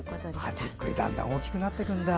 じっくりだんだん大きくなっていくんだ。